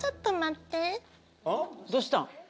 どうした？